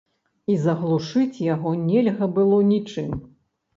І заглушыць яго нельга было нічым.